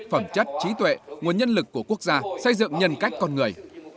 phẩm chất trí tuệ nguồn nhân lực của quốc gia xây dựng nhân cách con người